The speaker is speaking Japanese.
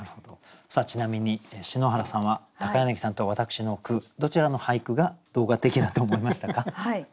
ちなみに篠原さんは柳さんと私の句どちらの俳句が動画的だと思いましたか。